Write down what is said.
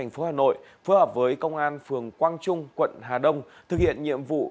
phối hợp với công an phường quang trung quận hà đông thực hiện nhiệm vụ